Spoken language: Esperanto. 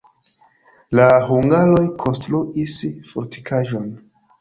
La hungaroj konstruis fortikaĵon.